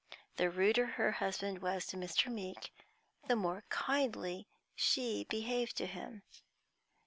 The ruder her husband was to Mr. Meeke the more kindly she behaved to him.